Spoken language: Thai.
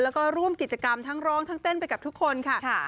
แล้วก็ร่วมกิจกรรมทั้งร้องทั้งเต้นไปกับทุกคนค่ะ